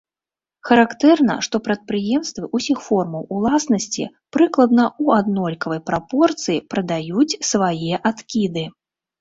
Характэрна, што прадпрыемствы ўсіх формаў уласнасці прыкладна ў аднолькавай прапорцыі прадаюць свае адкіды.